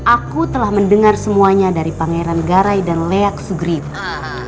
aku telah mendengar semuanya dari pangeran garai dan leak sugreed